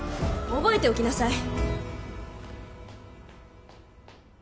覚えておきなさい。